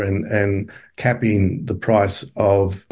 dan mencapai harga perubahan